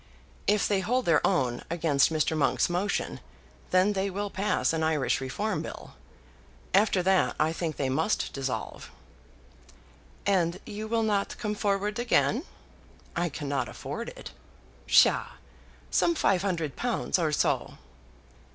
If they hold their own against Mr. Monk's motion, then they will pass an Irish Reform Bill. After that I think they must dissolve." "And you will not come forward again?" "I cannot afford it." "Psha! Some five hundred pounds or so!"